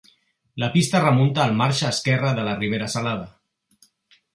La pista remunta el marge esquerre de la Ribera Salada.